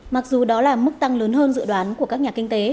mặc dù đó là mức tăng lớn hơn dự đoán của các nhà kinh tế